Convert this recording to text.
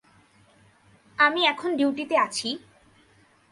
আমি এখন ডিউটিতে আছি।